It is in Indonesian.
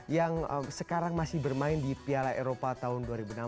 yang sekarang masih bermain di piala eropa tahun dua ribu enam belas